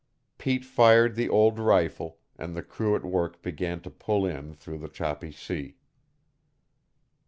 Pete fired the old rifle, and the crew at work began to pull in through the choppy sea.